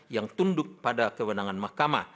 yang tunduk pada kewenangan mahkamah